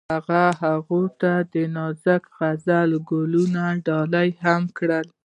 هغه هغې ته د نازک غزل ګلان ډالۍ هم کړل.